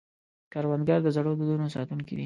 کروندګر د زړو دودونو ساتونکی دی